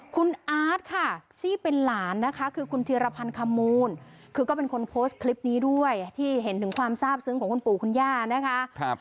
คุณอาร์ตค่ะที่เป็นหลานนะคะคือคุณธีรพันธ์ขมูลคือก็เป็นคนโพสต์คลิปนี้ด้วยที่เห็นถึงความทราบซึ้งของคุณปู่คุณย่านะคะ